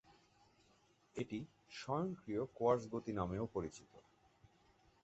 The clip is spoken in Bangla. এটি স্বয়ংক্রিয়-কোয়ার্টজ গতি নামেও পরিচিত।